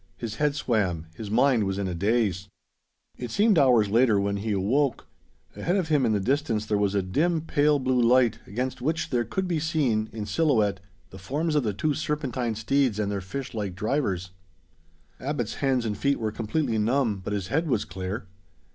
His head swam. His mind was in a daze. It seemed hours later when he awoke. Ahead of him in the distance there was a dim pale blue light, against which there could be seen, in silhouette, the forms of the two serpentine steeds and their fish like drivers. Abbot's hands and feet were completely numb, but his head was clear.